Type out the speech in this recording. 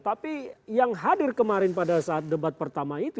tapi yang hadir kemarin pada saat debat pertama itu